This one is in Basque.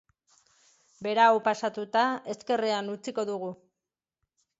Berau pasatuta ezkerrean utziko dugu.